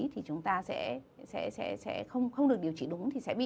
thì chúng ta sẽ không được điều trị đúng